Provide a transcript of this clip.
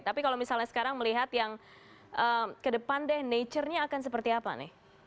tapi kalau misalnya sekarang melihat yang ke depan deh nature nya akan seperti apa nih